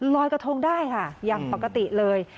ลอยกระทงได้ค่ะอย่างปกติเลย